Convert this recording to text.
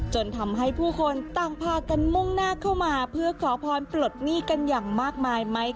จนทำให้ผู้คนต่างพากันมุ่งหน้าเข้ามาเพื่อขอพรปลดหนี้กันอย่างมากมายไหม